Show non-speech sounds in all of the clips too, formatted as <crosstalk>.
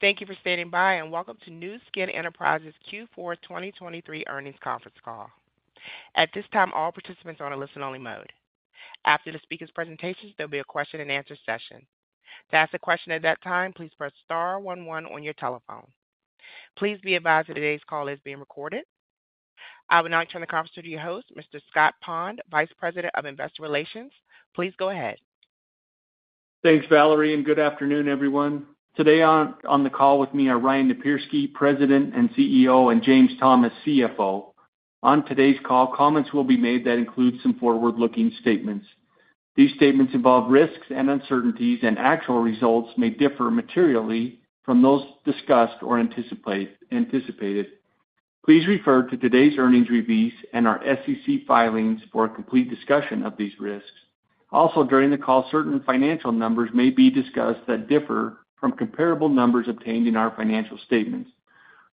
Thank you for standing by, and welcome to Nu Skin Enterprises' Q4 2023 earnings conference call. At this time, all participants are on a listen-only mode. After the speaker's presentation, there'll be a question-and-answer session. To ask a question at that time, please press star one one on your telephone. Please be advised that today's call is being recorded. I would now turn the conference to your host, Mr. Scott Pond, Vice President of Investor Relations. Please go ahead. Thanks, Valerie, and good afternoon, everyone. Today on the call with me are Ryan Napierski, President and CEO, and James Thomas, CFO. On today's call, comments will be made that include some forward-looking statements. These statements involve risks and uncertainties, and actual results may differ materially from those discussed or anticipated. Please refer to today's earnings release and our SEC filings for a complete discussion of these risks. Also, during the call, certain financial numbers may be discussed that differ from comparable numbers obtained in our financial statements.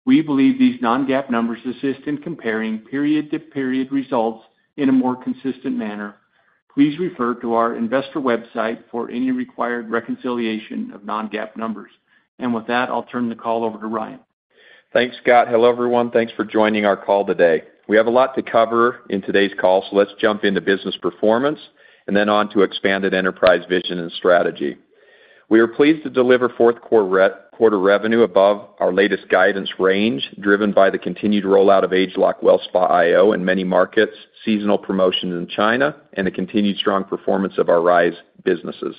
We believe these non-GAAP numbers assist in comparing period-to-period results in a more consistent manner. Please refer to our investor website for any required reconciliation of non-GAAP numbers. And with that, I'll turn the call over to Ryan. Thanks, Scott. Hello, everyone. Thanks for joining our call today. We have a lot to cover in today's call, so let's jump into business performance and then on to expanded enterprise vision and strategy. We are pleased to deliver fourth quarter revenue above our latest guidance range, driven by the continued rollout of ageLOC WellSpa iO in many markets, seasonal promotions in China, and the continued strong performance of our Rhyz businesses.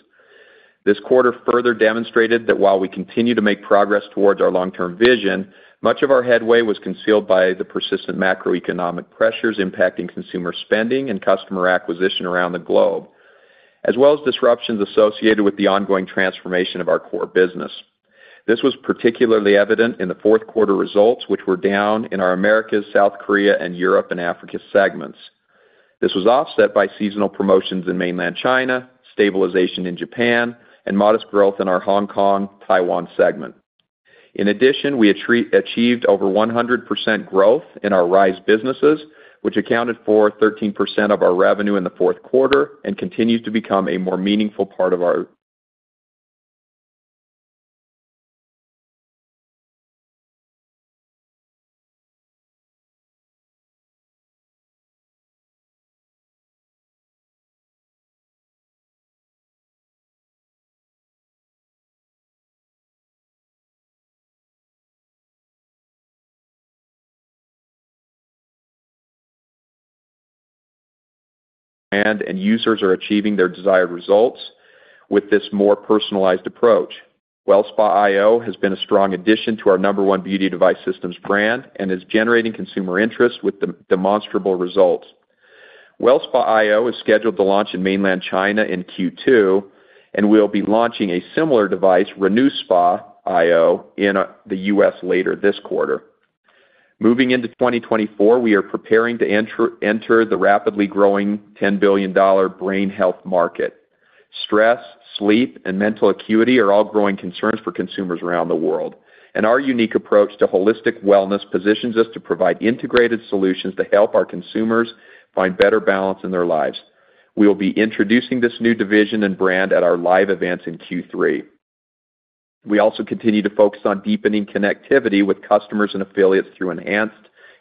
This quarter further demonstrated that while we continue to make progress towards our long-term vision, much of our headway was concealed by the persistent macroeconomic pressures impacting consumer spending and customer acquisition around the globe, as well as disruptions associated with the ongoing transformation of our core business. This was particularly evident in the fourth quarter results, which were down in our Americas, South Korea, and Europe and Africa segments. This was offset by seasonal promotions in Mainland China, stabilization in Japan, and modest growth in our Hong Kong, Taiwan segment. In addition, we achieved over 100% growth in our Rhyz businesses, which accounted for 13% of our revenue in the fourth quarter and continues to become a more meaningful part of our <inaudible> users are achieving their desired results with this more personalized approach. WellSpa iO has been a strong addition to our number one beauty device systems brand and is generating consumer interest with demonstrable results. WellSpa iO is scheduled to launch in Mainland China in Q2, and we'll be launching a similar device, RenuSpa iO, in the U.S. later this quarter. Moving into 2024, we are preparing to enter the rapidly growing $10 billion brain health market. Stress, sleep, and mental acuity are all growing concerns for consumers around the world, and our unique approach to holistic wellness positions us to provide integrated solutions to help our consumers find better balance in their lives. We will be introducing this new division and brand at our live events in Q3. We also continue to focus on deepening connectivity with customers and affiliates through enhanced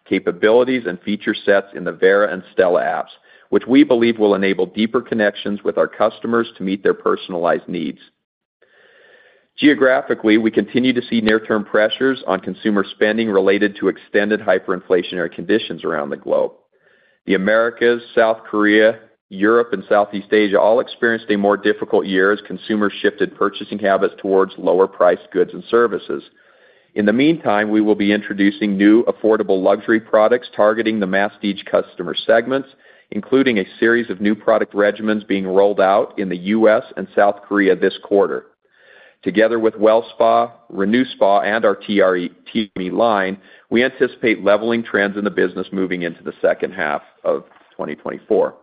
capabilities and feature sets in the Vera and Stela apps, which we believe will enable deeper connections with our customers to meet their personalized needs. Geographically, we continue to see near-term pressures on consumer spending related to extended hyperinflationary conditions around the globe. The Americas, South Korea, Europe, and Southeast Asia all experienced a more difficult year as consumers shifted purchasing habits towards lower-priced goods and services. In the meantime, we will be introducing new affordable luxury products targeting the mass-market customer segments, including a series of new product regimens being rolled out in the U.S. and South Korea this quarter. Together with WellSpa iO, RenuSpa iO, and our TRMe line, we anticipate leveling trends in the business moving into the second half of 2024.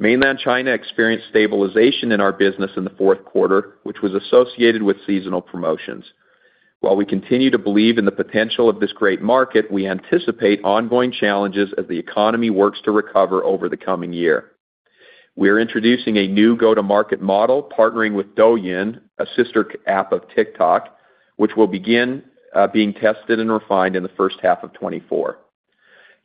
Mainland China experienced stabilization in our business in the fourth quarter, which was associated with seasonal promotions. While we continue to believe in the potential of this great market, we anticipate ongoing challenges as the economy works to recover over the coming year. We are introducing a new go-to-market model, partnering with Douyin, a sister app of TikTok, which will begin being tested and refined in the first half of 2024.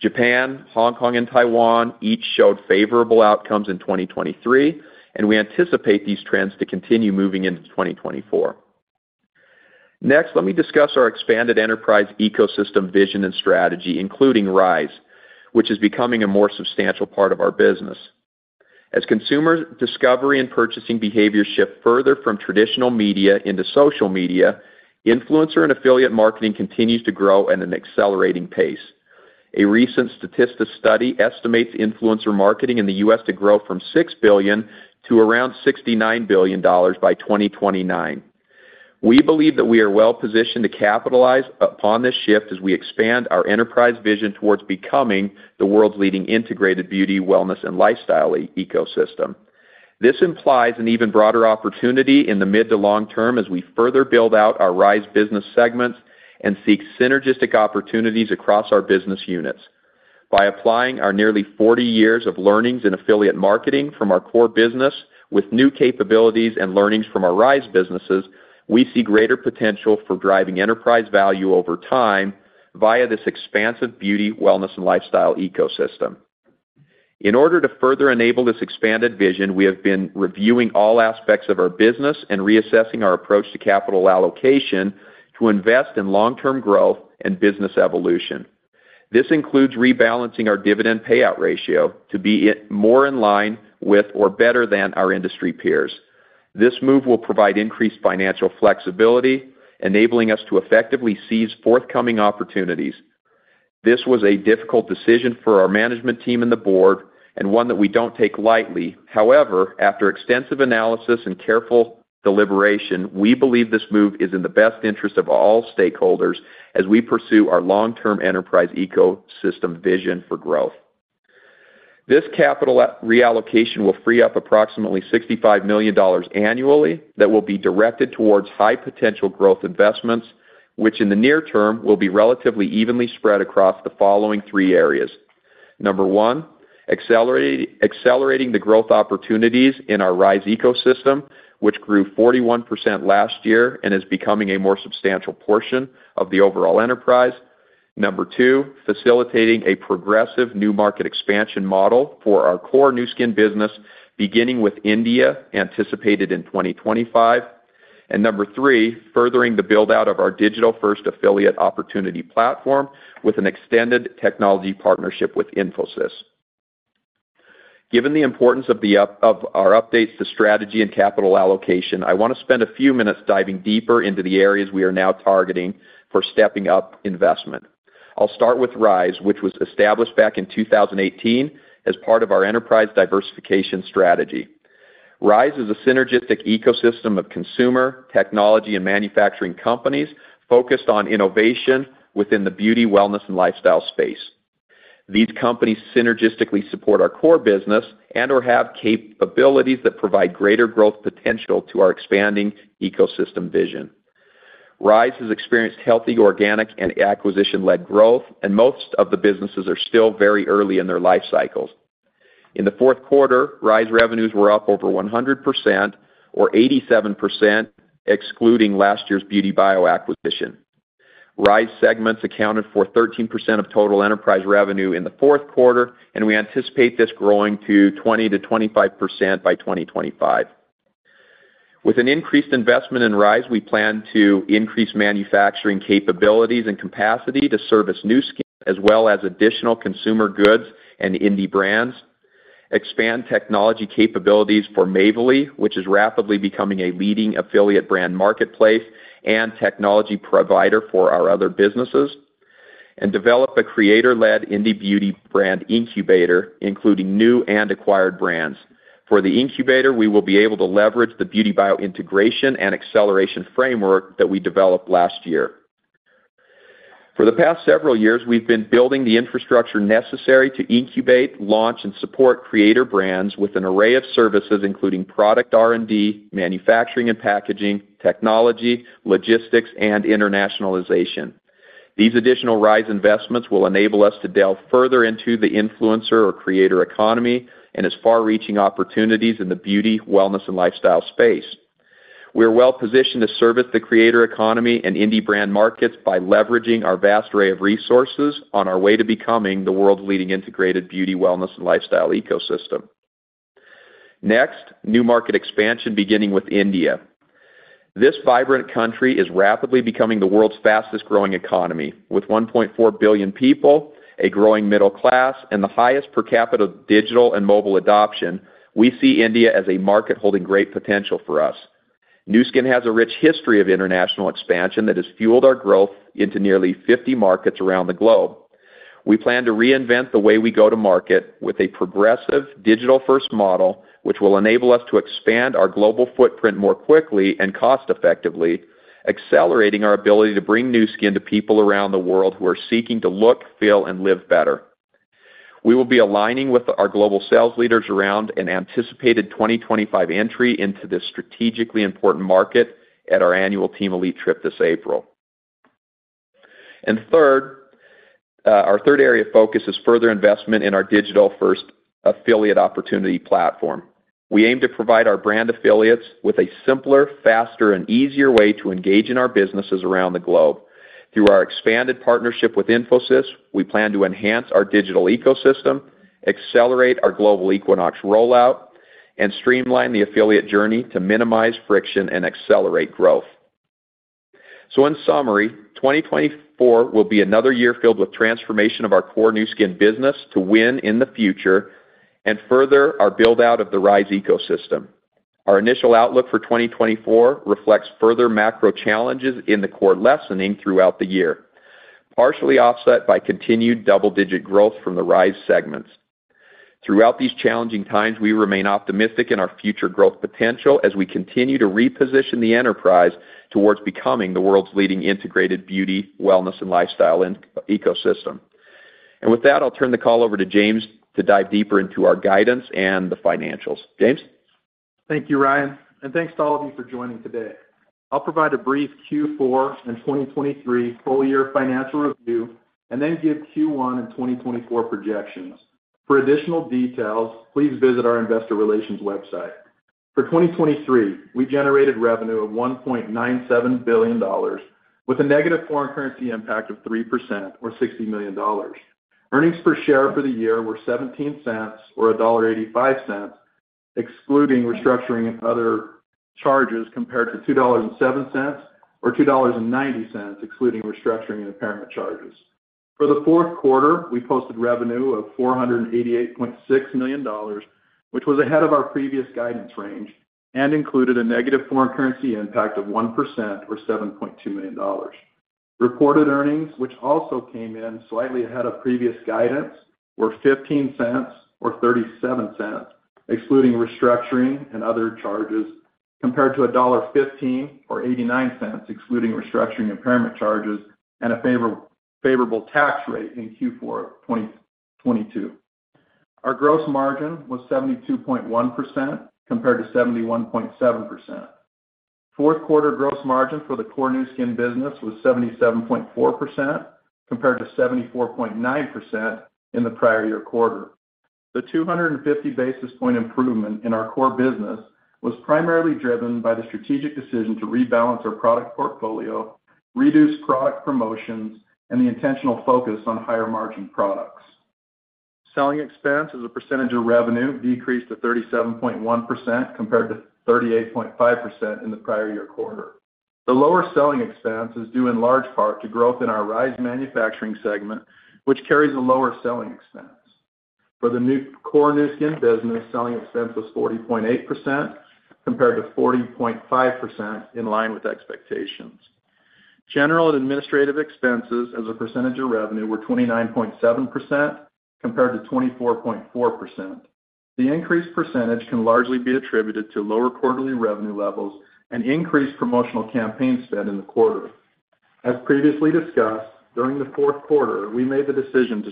Japan, Hong Kong, and Taiwan each showed favorable outcomes in 2023, and we anticipate these trends to continue moving into 2024. Next, let me discuss our expanded enterprise ecosystem vision and strategy, including Rhyz, which is becoming a more substantial part of our business. As consumer discovery and purchasing behavior shift further from traditional media into social media, influencer and affiliate marketing continues to grow at an accelerating pace. A recent Statista study estimates influencer marketing in the U.S. to grow from $6 billion to around $69 billion by 2029. We believe that we are well positioned to capitalize upon this shift as we expand our enterprise vision towards becoming the world's leading integrated beauty, wellness, and lifestyle ecosystem. This implies an even broader opportunity in the mid to long term as we further build out our Rhyz business segments and seek synergistic opportunities across our business units. By applying our nearly 40 years of learnings in affiliate marketing from our core business with new capabilities and learnings from our Rhyz businesses, we see greater potential for driving enterprise value over time via this expansive beauty, wellness, and lifestyle ecosystem. In order to further enable this expanded vision, we have been reviewing all aspects of our business and reassessing our approach to capital allocation to invest in long-term growth and business evolution. This includes rebalancing our dividend payout ratio to be more in line with or better than our industry peers. This move will provide increased financial flexibility, enabling us to effectively seize forthcoming opportunities. This was a difficult decision for our management team and the board and one that we don't take lightly. However, after extensive analysis and careful deliberation, we believe this move is in the best interest of all stakeholders as we pursue our long-term enterprise ecosystem vision for growth. This capital reallocation will free up approximately $65 million annually that will be directed towards high-potential growth investments, which in the near term, will be relatively evenly spread across the following three areas: Number one, accelerating the growth opportunities in our Rhyz ecosystem, which grew 41% last year and is becoming a more substantial portion of the overall enterprise. Number two, facilitating a progressive new market expansion model for our core Nu Skin business, beginning with India, anticipated in 2025. Number three, furthering the build-out of our digital-first affiliate opportunity platform with an extended technology partnership with Infosys. Given the importance of our updates to strategy and capital allocation, I want to spend a few minutes diving deeper into the areas we are now targeting for stepping up investment. I'll start with Rhyz, which was established back in 2018 as part of our enterprise diversification strategy. Rhyz is a synergistic ecosystem of consumer, technology, and manufacturing companies focused on innovation within the beauty, wellness, and lifestyle space. These companies synergistically support our core business and/or have capabilities that provide greater growth potential to our expanding ecosystem vision. Rhyz has experienced healthy, organic, and acquisition-led growth, and most of the businesses are still very early in their life cycles. In the fourth quarter, Rhyz revenues were up over 100%, or 87%, excluding last year's BeautyBio acquisition. Rhyz segments accounted for 13% of total enterprise revenue in the fourth quarter, and we anticipate this growing to 20%-25% by 2025. With an increased investment in Rhyz, we plan to increase manufacturing capabilities and capacity to service Nu Skin, as well as additional consumer goods and indie brands, expand technology capabilities for Mavely, which is rapidly becoming a leading affiliate brand marketplace and technology provider for our other businesses, and develop a creator-led indie beauty brand incubator, including new and acquired brands. For the incubator, we will be able to leverage the BeautyBio integration and acceleration framework that we developed last year. For the past several years, we've been building the infrastructure necessary to incubate, launch, and support creator brands with an array of services, including product R&D, manufacturing and packaging, technology, logistics, and internationalization. These additional Rhyz investments will enable us to delve further into the influencer or creator economy and its far-reaching opportunities in the beauty, wellness, and lifestyle space. We are well-positioned to service the creator economy and indie brand markets by leveraging our vast array of resources on our way to becoming the world's leading integrated beauty, wellness, and lifestyle ecosystem. Next, new market expansion, beginning with India. This vibrant country is rapidly becoming the world's fastest-growing economy. With 1.4 billion people, a growing middle class, and the highest per capita digital and mobile adoption, we see India as a market holding great potential for us. Nu Skin has a rich history of international expansion that has fueled our growth into nearly 50 markets around the globe. We plan to reinvent the way we go to market with a progressive, digital-first model, which will enable us to expand our global footprint more quickly and cost-effectively, accelerating our ability to bring Nu Skin to people around the world who are seeking to look, feel, and live better. We will be aligning with our global sales leaders around an anticipated 2025 entry into this strategically important market at our annual Team Elite Trip this April. And third, our third area of focus is further investment in our digital-first affiliate opportunity platform. We aim to provide our brand affiliates with a simpler, faster, and easier way to engage in our businesses around the globe. Through our expanded partnership with Infosys, we plan to enhance our digital ecosystem, accelerate our global Equinox rollout, and streamline the affiliate journey to minimize friction and accelerate growth. So in summary, 2024 will be another year filled with transformation of our core Nu Skin business to win in the future and further our build-out of the Rhyz ecosystem. Our initial outlook for 2024 reflects further macro challenges in the core lessening throughout the year, partially offset by continued double-digit growth from the Rhyz segments. Throughout these challenging times, we remain optimistic in our future growth potential as we continue to reposition the enterprise towards becoming the world's leading integrated beauty, wellness, and lifestyle ecosystem. And with that, I'll turn the call over to James to dive deeper into our guidance and the financials. James? Thank you, Ryan, and thanks to all of you for joining today. I'll provide a brief Q4 and 2023 full-year financial review, and then give Q1 and 2024 projections. For additional details, please visit our investor relations website. For 2023, we generated revenue of $1.97 billion, with a negative foreign currency impact of 3%, or $60 million. Earnings per share for the year were $0.17, or $1.85, excluding restructuring and other charges, compared to $2.07, or $2.90, excluding restructuring and impairment charges. For the fourth quarter, we posted revenue of $488.6 million, which was ahead of our previous guidance range and included a negative foreign currency impact of 1%, or $7.2 million. Reported earnings, which also came in slightly ahead of previous guidance, were $0.15 or $0.37, excluding restructuring and other charges, compared to $1.15 or $0.89, excluding restructuring impairment charges and a favorable tax rate in Q4 of 2022. Our gross margin was 72.1% compared to 71.7%. Fourth quarter gross margin for the core Nu Skin business was 77.4%, compared to 74.9% in the prior-year quarter. The 250 basis point improvement in our core business was primarily driven by the strategic decision to rebalance our product portfolio, reduce product promotions, and the intentional focus on higher-margin products. Selling expense as a percentage of revenue decreased to 37.1%, compared to 38.5% in the prior-year quarter. The lower selling expense is due in large part to growth in our Rhyz Manufacturing segment, which carries a lower selling expense. For the new core Nu Skin business, selling expense was 40.8%, compared to 40.5%, in line with expectations. General and administrative expenses as a percentage of revenue were 29.7%, compared to 24.4%. The increased percentage can largely be attributed to lower quarterly revenue levels and increased promotional campaign spend in the quarter. As previously discussed, during the fourth quarter, we made the decision to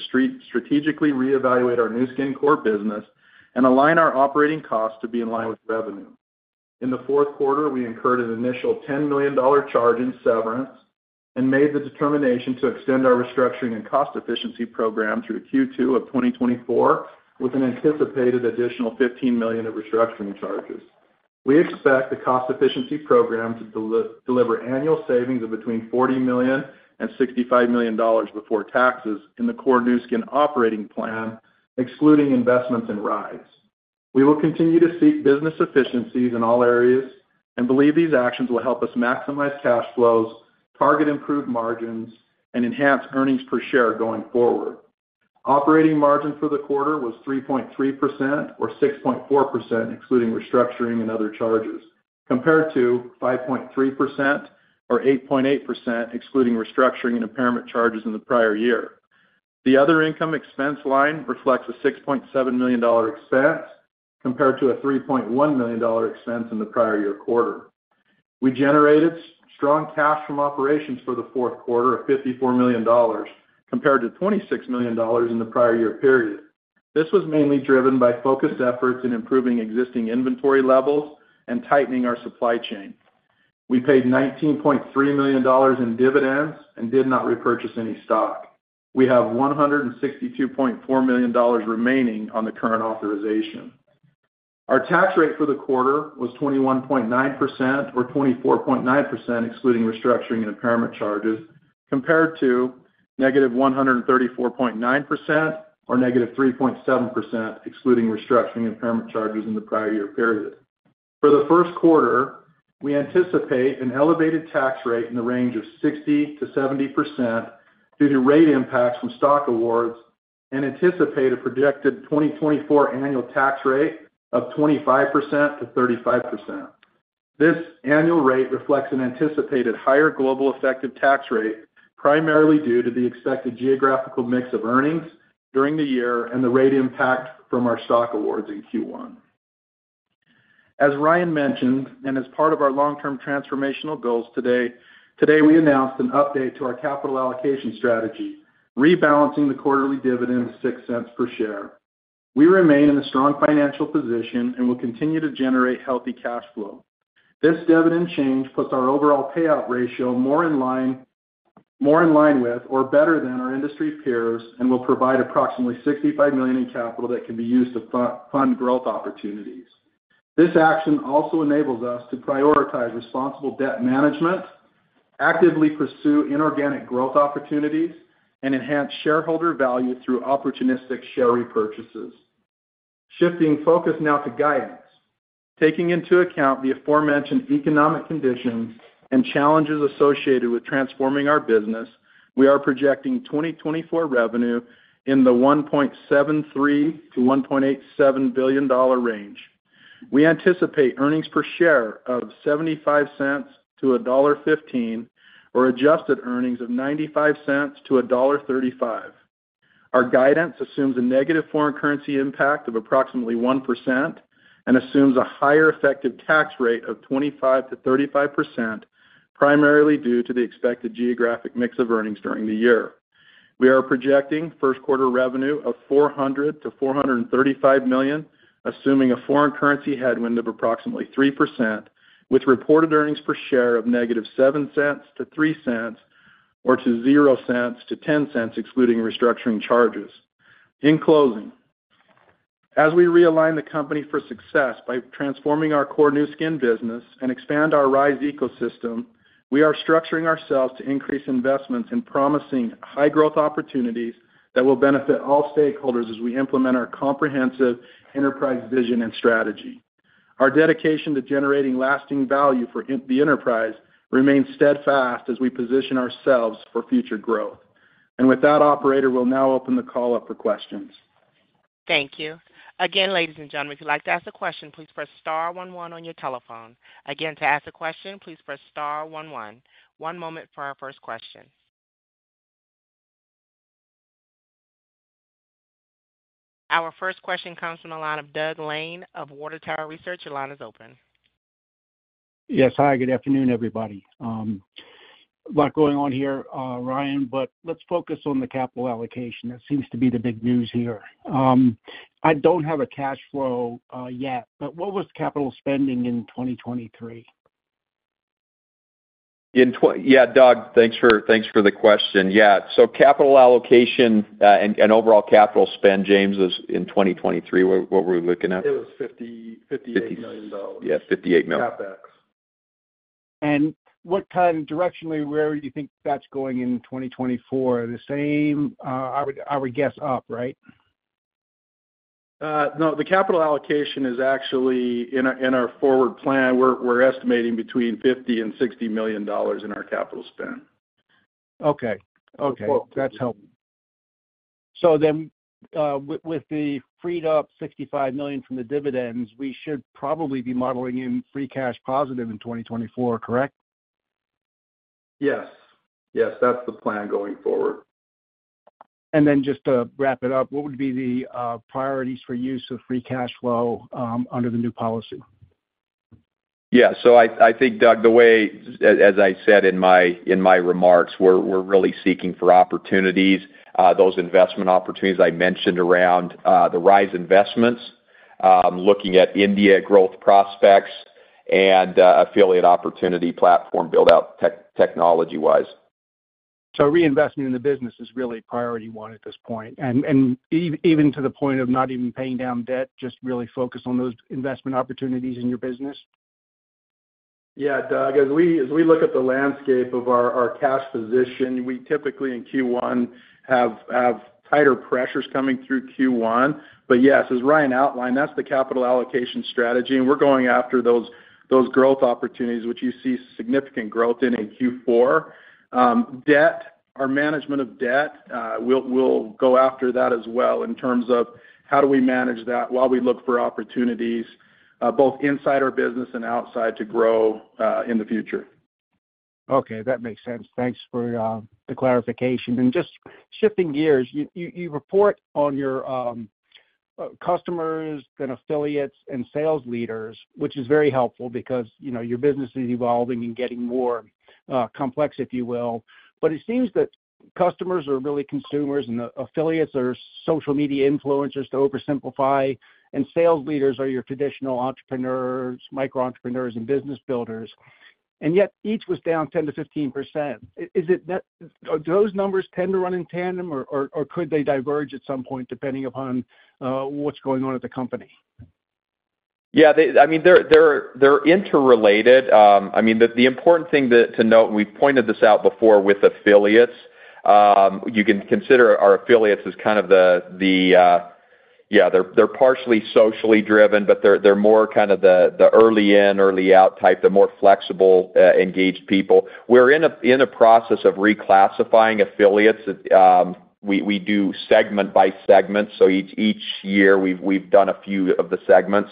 strategically reevaluate our Nu Skin core business and align our operating costs to be in line with revenue. In the fourth quarter, we incurred an initial $10 million charge in severance and made the determination to extend our restructuring and cost efficiency program through Q2 of 2024, with an anticipated additional $15 million of restructuring charges. We expect the cost efficiency program to deliver annual savings of between $40 million and $65 million before taxes in the core Nu Skin operating plan, excluding investments in Rhyz. We will continue to seek business efficiencies in all areas and believe these actions will help us maximize cash flows, target improved margins, and enhance earnings per share going forward. Operating margin for the quarter was 3.3%, or 6.4%, excluding restructuring and other charges, compared to 5.3% or 8.8%, excluding restructuring and impairment charges in the prior year. The other income expense line reflects a $6.7 million expense, compared to a $3.1 million expense in the prior-year quarter. We generated strong cash from operations for the fourth quarter of $54 million, compared to $26 million in the prior-year period. This was mainly driven by focused efforts in improving existing inventory levels and tightening our supply chain. We paid $19.3 million in dividends and did not repurchase any stock. We have $162.4 million remaining on the current authorization. Our tax rate for the quarter was 21.9%, or 24.9%, excluding restructuring and impairment charges, compared to -134.9% or -3.7%, excluding restructuring impairment charges in the prior-year period. For the first quarter, we anticipate an elevated tax rate in the range of 60%-70% due to rate impacts from stock awards, and anticipate a projected 2024 annual tax rate of 25%-35%. This annual rate reflects an anticipated higher global effective tax rate, primarily due to the expected geographical mix of earnings during the year and the rate impact from our stock awards in Q1. As Ryan mentioned, and as part of our long-term transformational goals today, we announced an update to our capital allocation strategy, rebalancing the quarterly dividend to $0.06 per share. We remain in a strong financial position and will continue to generate healthy cash flow. This dividend change puts our overall payout ratio more in line, more in line with or better than our industry peers and will provide approximately $65 million in capital that can be used to fund growth opportunities. This action also enables us to prioritize responsible debt management, actively pursue inorganic growth opportunities, and enhance shareholder value through opportunistic share repurchases. Shifting focus now to guidance. Taking into account the aforementioned economic conditions and challenges associated with transforming our business, we are projecting 2024 revenue in the $1.73 billion-$1.87 billion range. We anticipate earnings per share of $0.75-$1.15, or adjusted earnings of $0.95-$1.35. Our guidance assumes a negative foreign currency impact of approximately 1% and assumes a higher effective tax rate of 25%-35%, primarily due to the expected geographic mix of earnings during the year. We are projecting first quarter revenue of $400 million-$435 million, assuming a foreign currency headwind of approximately 3%, with reported earnings per share of -$0.07 to $0.03, or to $0.00 to $0.10 excluding restructuring charges. In closing, as we realign the company for success by transforming our core Nu Skin business and expand our Rhyz ecosystem, we are structuring ourselves to increase investments in promising high growth opportunities that will benefit all stakeholders as we implement our comprehensive enterprise, vision, and strategy. Our dedication to generating lasting value for the enterprise remains steadfast as we position ourselves for future growth. With that operator, we'll now open the call up for questions. Thank you. Again, ladies and gentlemen, if you'd like to ask a question, please press star one one on your telephone. Again, to ask a question, please press star one one. One moment for our first question. Our first question comes from the line of Doug Lane of Water Tower Research. Your line is open. Yes. Hi, good afternoon, everybody. A lot going on here, Ryan, but let's focus on the capital allocation. That seems to be the big news here. I don't have a cash flow, yet, but what was capital spending in 2023? Yeah, Doug, thanks for the question. Yeah, so capital allocation and overall capital spend, James, is in 2023, what were we looking at? It was $58 million. Yeah, $58 million. CapEx. What kind of directionally, where do you think that's going in 2024? The same, I would guess up, right? No, the capital allocation is actually in our forward plan. We're estimating between $50 million and $60 million in our capital spend. Okay. Okay. That's helpful. So then, with the freed up $65 million from the dividends, we should probably be modeling in free cash flow positive in 2024, correct? Yes. Yes, that's the plan going forward. Then just to wrap it up, what would be the priorities for use of free cash flow under the new policy? Yeah. So I think, Doug, the way, as I said in my remarks, we're really seeking for opportunities, those investment opportunities I mentioned around the Rhyz investments, looking at India growth prospects and affiliate opportunity platform build-out technology wise. So reinvesting in the business is really priority one at this point, and even to the point of not even paying down debt, just really focus on those investment opportunities in your business. Yeah, Doug, as we, as we look at the landscape of our, our cash position, we typically in Q1 have, have tighter pressures coming through Q1. But yes, as Ryan outlined, that's the capital allocation strategy, and we're going after those, those growth opportunities, which you see significant growth in, in Q4. Debt, our management of debt, we'll, we'll go after that as well in terms of how do we manage that while we look for opportunities, both inside our business and outside to grow, in the future. Okay, that makes sense. Thanks for the clarification. And just shifting gears, you report on your customers and affiliates and sales leaders, which is very helpful because, you know, your business is evolving and getting more complex, if you will. But it seems that customers are really consumers, and the affiliates are social media influencers to oversimplify, and sales leaders are your traditional entrepreneurs, micro entrepreneurs, and business builders, and yet each was down 10%-15%. Is it that - do those numbers tend to run in tandem, or could they diverge at some point, depending upon what's going on at the company? Yeah, I mean, they're interrelated. I mean, the important thing to note, and we've pointed this out before with affiliates, you can consider our affiliates as kind of the, they're partially socially driven, but they're more kind of the early in, early out type, the more flexible engaged people. We're in a process of reclassifying affiliates. We do segment by segment, so each year, we've done a few of the segments.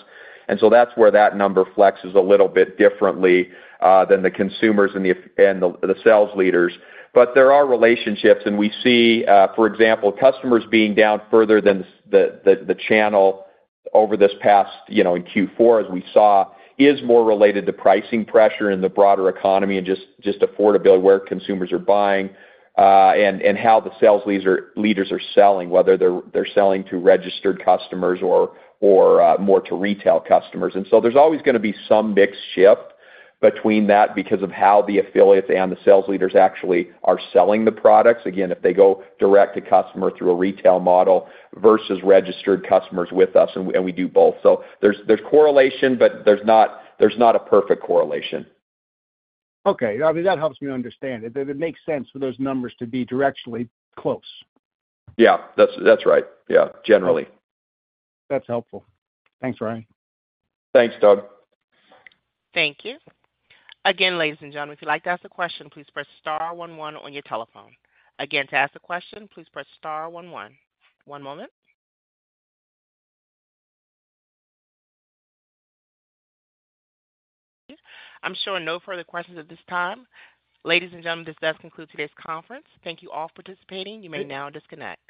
And so that's where that number flexes a little bit differently than the consumers and the sales leaders. But there are relationships, and we see, for example, customers being down further than the channel over this past, you know, in Q4, as we saw, is more related to pricing pressure in the broader economy and just affordability, where consumers are buying, and how the sales leaders are selling, whether they're selling to registered customers or more to retail customers. And so there's always gonna be some mix shift between that because of how the affiliates and the sales leaders actually are selling the products. Again, if they go direct to customer through a retail model versus registered customers with us, and we do both. So there's correlation, but there's not a perfect correlation. Okay. I mean, that helps me understand it, that it makes sense for those numbers to be directionally close. Yeah. That's, that's right. Yeah, generally. That's helpful. Thanks, Ryan. Thanks, Doug. Thank you. Again, ladies and gentlemen, if you'd like to ask a question, please press star one one on your telephone. Again, to ask a question, please press star one one. One moment. I'm showing no further questions at this time. Ladies and gentlemen, this does conclude today's conference. Thank you all for participating. You may now disconnect.